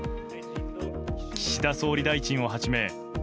岸田総理大臣をはじめ。